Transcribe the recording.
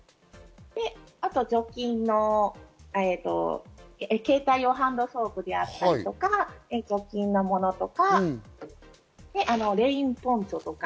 あと、除菌の携帯用ハンドソープだったりとか、除菌のものとか、レインポンチョとか。